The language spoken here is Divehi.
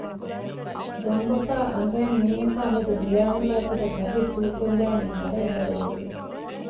ދޮންބަފާ އަނގައިން މީހަކާ މެދު ވިޔާނުދާ ފަދަ ބަހެއް ދޫކޮށްލާނީ ވަރަށް ވަރުވެގެން